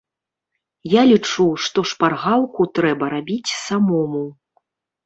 Я лічу, што шпаргалку трэба рабіць самому.